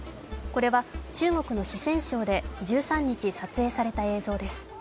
これは中国の四川省で１３日、撮影された映像です。